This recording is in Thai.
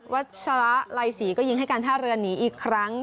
ชัชระไลศรีก็ยิงให้การท่าเรือหนีอีกครั้ง